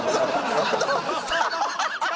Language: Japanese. アハハハ！